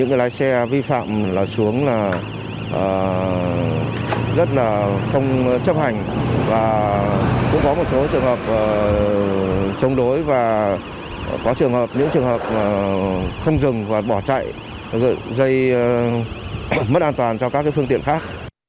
nhiều người chấp hành cũng có một số trường hợp chống đối những trường hợp không dừng và bỏ chạy gợi dây mất an toàn cho các phương tiện khác